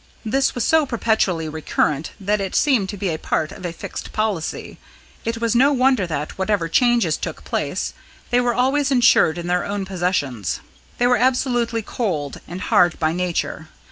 This was so perpetually recurrent that it seemed to be a part of a fixed policy. It was no wonder that, whatever changes took place, they were always ensured in their own possessions. They were absolutely cold and hard by nature.